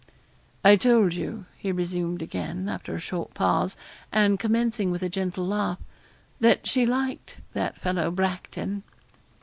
'I told you,' he resumed again, after a short pause, and commencing with a gentle laugh, 'that she liked that fellow, Bracton.'